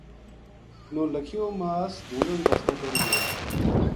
نولکھیو ماس ڈُھنڈن بسطے ٹر گیو